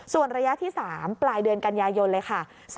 ส่วนระยะที่๓ปลายเดือนกันยายนเลยค่ะ